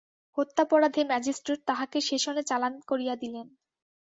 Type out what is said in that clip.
হত্যাপরাধে magistrate তাহাকে সেসনে চালান করিয়া দিলেন।